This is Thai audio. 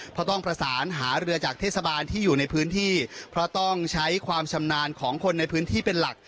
เพราะต้องประสานหาเรือจากเทศบาลที่อยู่ในพื้นที่เพราะต้องใช้ความชำนาญของคนในพื้นที่เป็นหลัก